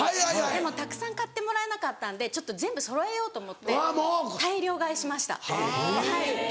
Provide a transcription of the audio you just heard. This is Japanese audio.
でもたくさん買ってもらえなかったんで全部そろえようと思って大量買いしましたはい。